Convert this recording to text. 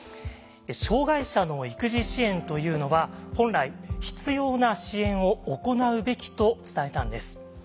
障害者の育児支援というのは「本来必要な支援を行うべき」と伝えたんです。